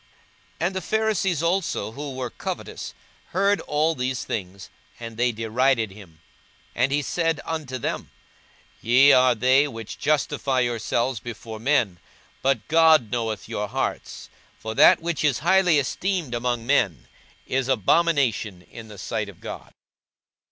42:016:014 And the Pharisees also, who were covetous, heard all these things: and they derided him. 42:016:015 And he said unto them, Ye are they which justify yourselves before men; but God knoweth your hearts: for that which is highly esteemed among men is abomination in the sight of God.